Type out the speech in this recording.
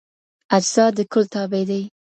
اجزا د کل تابع دي.